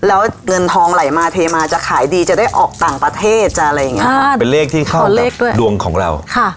แล้วเงินทองไหลมาเทมาจะขายดีจะได้ออกต่างประเทศจะอะไรอย่างเงี้ยเป็นเลขที่เข้าเลขด้วยดวงของเราค่ะ